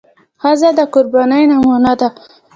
ښځه د قربانۍ نمونه ده.